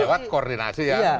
lewat koordinasi ya